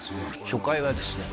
初回はですね